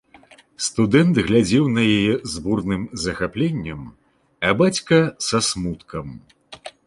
Студэнт глядзеў на яе з бурным захапленнем, а бацька са смуткам.